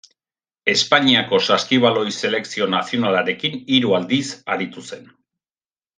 Espainiako saskibaloi selekzio nazionalarekin hiru aldiz aritu zen.